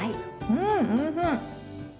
うんおいしい！